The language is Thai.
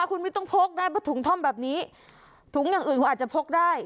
คุณไม่ต้องพกได้เพราะถุงท่อมแบบนี้ถุงอย่างอื่นคุณอาจจะพกได้